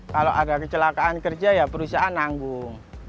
kalau ada kecelakaan kerja ya perusahaan nanggung